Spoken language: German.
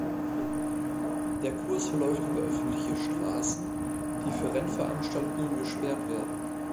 Der Kurs verläuft über öffentliche Straßen, die für Rennveranstaltungen gesperrt werden.